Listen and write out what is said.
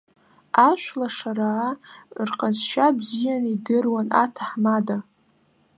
Ашәлашараа рҟазшьа бзианы идыруан аҭаҳмада.